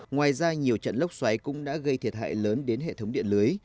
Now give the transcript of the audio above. ngoài ra nhiều trận lốc xoáy cũng đã gây thiệt hại lớn đến hệ thống điện lưới